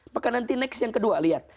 maka nanti next yang kedua lihat